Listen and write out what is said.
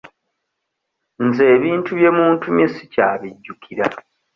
Nze ebintu bye muntumye sikyabijjukira.